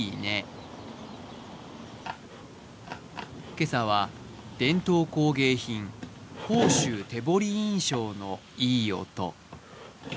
今朝は伝統工芸品甲州手彫印章のいい音。